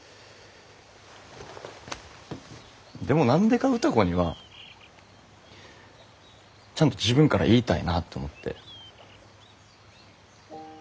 でも何でか歌子にはちゃんと自分から言いたいなって思って。